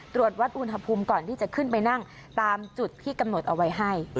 ตรวจวัดอุณหภูมิก่อนที่จะขึ้นไปนั่งตามจุดที่กำหนดเอาไว้ให้